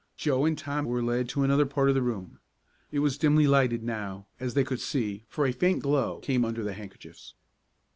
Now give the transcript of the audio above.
Joe and Tom were led to another part of the room. It was dimly lighted now, as they could see, for a faint glow came under the handkerchiefs.